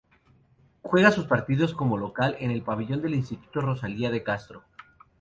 Juega sus partidos como local en el pabellón del Insituto Rosalia de Castro.